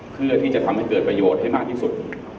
เพื่อที่จะทำให้เกิดประโยชน์ให้มากที่สุด